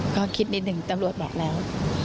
ก็คิดนิดหนึ่งตำรวจบอกแล้ว